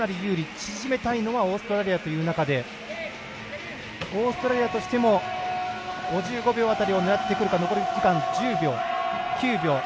縮めたいのはオーストラリアという中でオーストラリアとしても５５秒辺りを狙ってくるか。